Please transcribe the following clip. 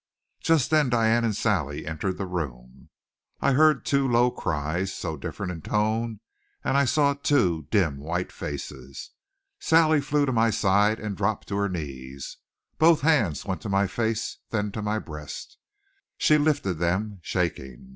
Just then Diane and Sally entered the room. I heard two low cries, so different in tone, and I saw two dim white faces. Sally flew to my side and dropped to her knees. Both hands went to my face, then to my breast. She lifted them, shaking.